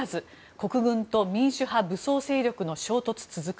国軍と民主派武装勢力の衝突続く。